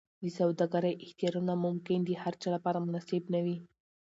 د سوداګرۍ اختیارونه ممکن د هرچا لپاره مناسب نه وي.